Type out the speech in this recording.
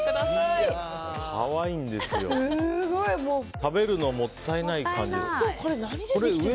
食べるのがもったいない感じ。